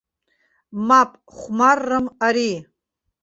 Мап, хәмаррам ари.